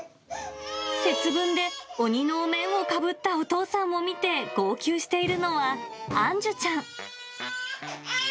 節分で鬼のお面をかぶったお父さんを見て、号泣しているのは、杏樹ちゃん。